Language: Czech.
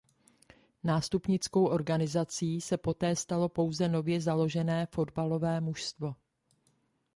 Nástupnickou organizací se poté stalo pouze nově založené fotbalové mužstvo.